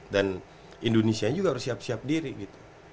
dan indonesia juga harus siap siap diri gitu